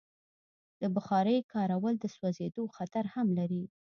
د بخارۍ کارول د سوځېدو خطر هم لري.